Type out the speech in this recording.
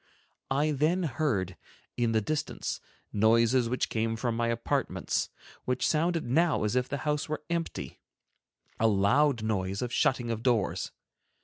I then heard, in the distance, noises which came from my apartments, which sounded now as if the house were empty, a loud noise of shutting of doors.